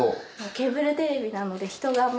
ケーブルテレビなので。